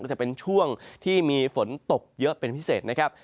จะเป็นช่วงที่มีฝนตกเยอะเป็นพิเศษนะครับ